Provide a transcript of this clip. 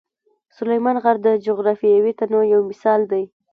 سلیمان غر د جغرافیوي تنوع یو مثال دی.